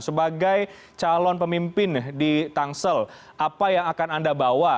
sebagai calon pemimpin di tangsel apa yang akan anda bawa